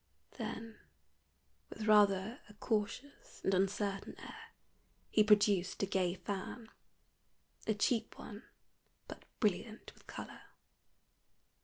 Then with rather a cautious and uncertain air he produced a gay fan a cheap one, but brilliant with color.